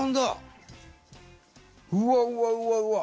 うわうわうわうわ！